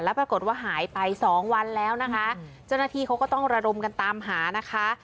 ปรากฏว่าหายไปสองวันแล้วนะคะเจ้าหน้าที่เขาก็ต้องระดมกันตามหานะคะ